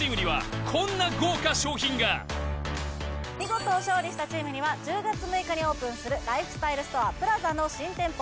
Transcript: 水王見事勝利したチームには１０月６日にオープンするライフスタイルストアＰＬＡＺＡの新店舗